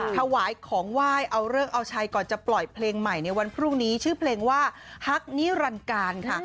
ถวายของไหว้เอาเลิกเอาชัยก่อนจะปล่อยเพลงใหม่ในวันพรุ่งนี้ชื่อเพลงว่าฮักนิรันการค่ะ